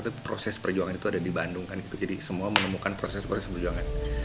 tapi proses perjuangan itu ada di bandung kan gitu jadi semua menemukan proses proses perjuangan